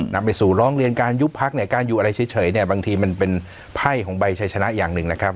นำไปสู่ร้องเรียนการยุบพักเนี่ยการอยู่อะไรเฉยเนี่ยบางทีมันเป็นไพ่ของใบชัยชนะอย่างหนึ่งนะครับ